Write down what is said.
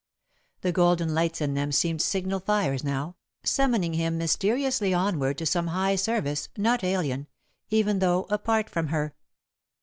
The golden lights in them seemed signal fires now, summoning him mysteriously onward to some high service, not alien, even though apart from her.